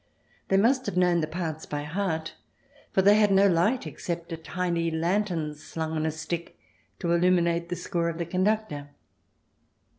They must have known the parts by heart, for they had no light except a tiny lantern, slung on a stick, to illuminate the score of the conductor.